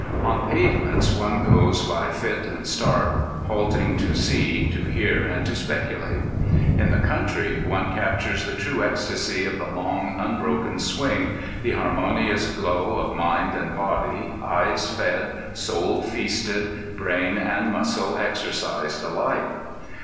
On pavements one goes by fit and start, halting to see, to hear, and to speculate. In the country one captures the true ecstasy of the long, unbroken swing, the harmonious glow of mind and body, eyes fed, soul feasted, brain and muscle exercised alike.